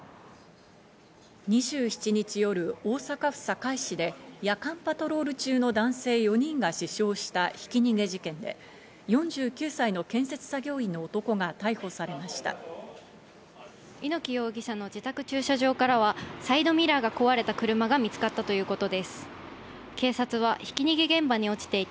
２７日夜、大阪府堺市で夜間パトロール中の男性４人が死傷したひき逃げ事件で４９歳の建設作業員の男が逮捕されました。